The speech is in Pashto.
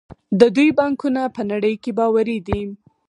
د دوی بانکونه په نړۍ کې باوري دي.